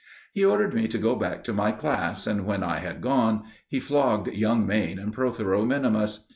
He ordered me to go back to my class, and when I had gone, he flogged young Mayne and Protheroe minimus.